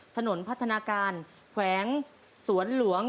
ถนนพัฒนาการแขวงสวนหลวง